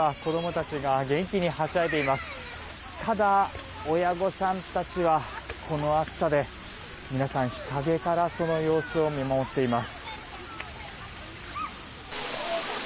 ただ、親御さんたちはこの暑さで皆さん、日陰からその様子を見守っています。